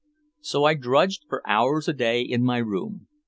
So I drudged for hours a day in my room.